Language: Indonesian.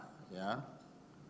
jadi juga sudah dijelaskan tadi